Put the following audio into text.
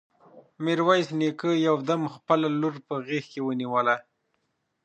ميرويس نيکه يو دم خپله لور په غېږ کې ونيوله.